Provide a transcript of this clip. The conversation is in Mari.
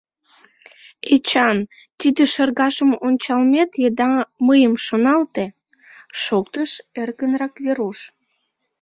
— Эчан, тиде шергашым ончалмет еда мыйым шоналте, — шоктыш эркынрак Веруш.